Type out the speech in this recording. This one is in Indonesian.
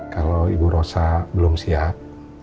kalau ibu rosa belum siap